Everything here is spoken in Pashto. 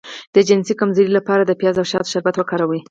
ازادي راډیو د سوله په اړه پراخ بحثونه جوړ کړي.